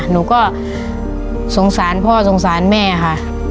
หนูก็สงสารพ่อสงสารแม่ค่ะ